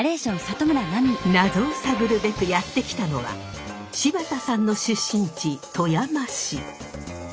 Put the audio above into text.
謎を探るべくやって来たのは柴田さんの出身地富山市。